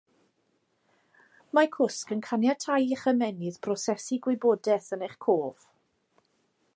Mae cwsg yn caniatáu i'ch ymennydd brosesu gwybodaeth yn eich cof